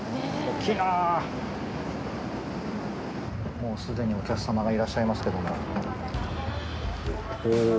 もう既にお客様がいらっしゃいますけども。